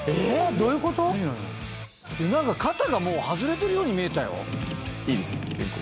どういうこと⁉何か肩がもう外れてるように見えたよ。